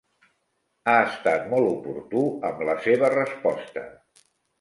Ha estat molt oportú amb la seva resposta.